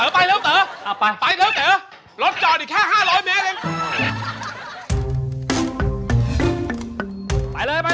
ไปเร็วนำไปก่อนสิเต๋อเร็วไปนำไป